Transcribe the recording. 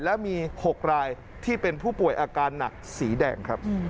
และมี๖รายที่เป็นผู้ป่วยอาการหนักสีแดงครับ